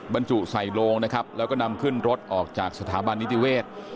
บรรจุใส่โลงนะครับแล้วก็นำขึ้นรถออกจากสถาบันนิติเวศ